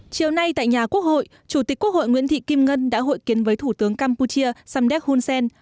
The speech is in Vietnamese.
chiều nay tại nhà quốc hội chủ tịch quốc hội nguyễn thị kim ngân đã hội kiến với thủ tướng campuchia samdek hun sen